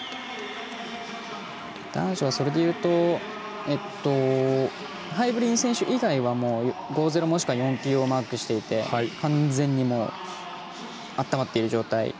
男子は、それでいうとハイブリン選手以外は５．０、４．９をマークしていて完全に温まっている状態。